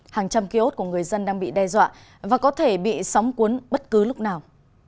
hàng trăm ký ốt của người dân đang bị đe dọa và có thể bị sóng cuốn bất cứ lúc nào